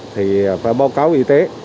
thì phải báo cáo y tế